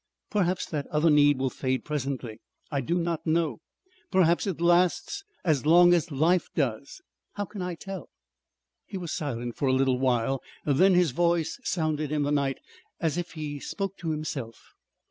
"Perhaps that other need will fade presently. I do not know. Perhaps it lasts as long as life does. How can I tell?" He was silent for a little while. Then his voice sounded in the night, as if he spoke to himself.